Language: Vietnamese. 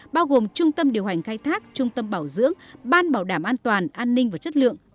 bao gồm trung tâm điều hành khai thác trung tâm bảo dưỡng ban bảo đảm an toàn an ninh và chất lượng